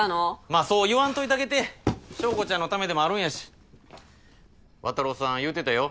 まあそう言わんといてあげて硝子ちゃんのためでもあるんやし綿郎さん言うてたよ